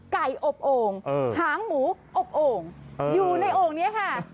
อบโอ่งหางหมูอบโอ่งอยู่ในโอ่งนี้ค่ะ